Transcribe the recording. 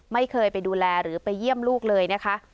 ไม่เคยไปดูแลหรือไปเยี่ยมลูกเลยนะคะ